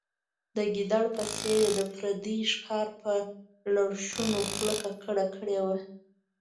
د ګیدړ په څېر یې د پردي ښکار په لړشونو خوله ککړه کړې وه.